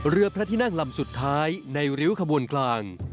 เรือพระที่นั่งลำสุดท้ายในริ้วขบวนกลาง